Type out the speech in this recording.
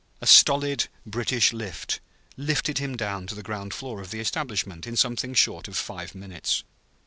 A stolid British lift lifted him down to the ground floor of the establishment in something short of five minutes.